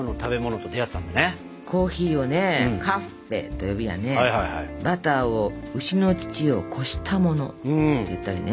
コーヒーを「カッフェー」と呼びやねバターを「牛の乳をこしたもの」っていったりね。